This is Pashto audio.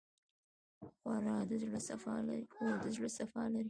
خور د زړه صفا لري.